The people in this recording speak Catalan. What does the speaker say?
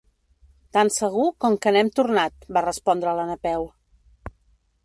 Tan segur com que n'hem tornat —va respondre la Napeu—.